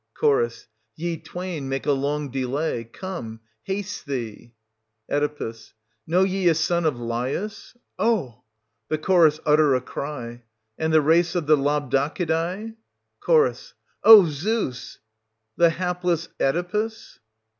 Ch. Ye twain make a long delay — come, haste thee! Oe. Know ye a son of Laius...O L.,{Tke CHORUS 220 uttei' a rrj/)...and the race of the Labdacidae?...(CH. O Zeus !)...the hapless Oedipus